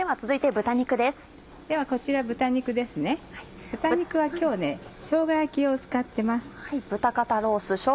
豚肉は今日しょうが焼き用を使ってます。